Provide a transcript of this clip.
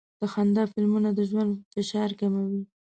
د خندا فلمونه د ژوند فشار کموي.